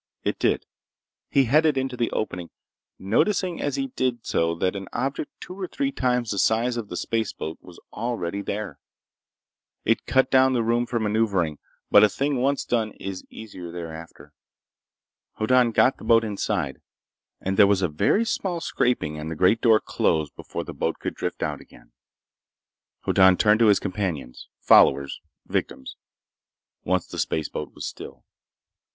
It did. He headed into the opening, noticing as he did so that an object two or three times the size of the spaceboat was already there. It cut down the room for maneuvering, but a thing once done is easier thereafter. Hoddan got the boat inside, and there was a very small scraping and the great door closed before the boat could drift out again. Hoddan turned to his companions—followers—victims, once the spaceboat was still.